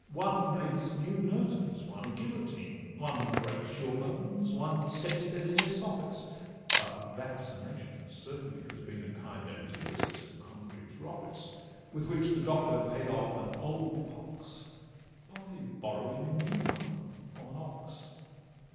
One makes new noses, one a guillotine, One breaks your bones, one sets them in their sockets; But vaccination certainly has been A kind antithesis to Congreve's rockets, With which the Doctor paid off an old pox, By borrowing a new one from an ox.